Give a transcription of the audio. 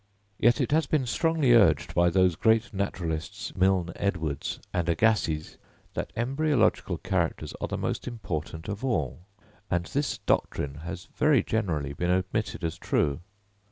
Yet it has been strongly urged by those great naturalists, Milne Edwards and Agassiz, that embryological characters are the most important of all; and this doctrine has very generally been admitted as true.